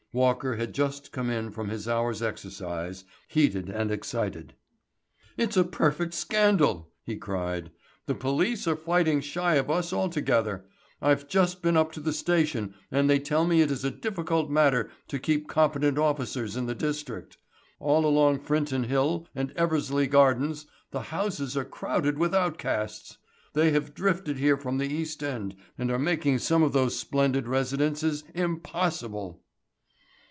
Walker had just come in from his hour's exercise, heated and excited. "It's a perfect scandal," he cried. "The police are fighting shy of us altogether. I've just been up to the station and they tell me it is a difficult matter to keep competent officers in the district. All along Frinton Hill and Eversley Gardens the houses are crowded with outcasts. They have drifted here from the East End and are making some of those splendid residences impossible."